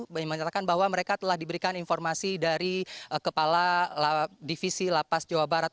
yang menyatakan bahwa mereka telah diberikan informasi dari kepala divisi lapas jawa barat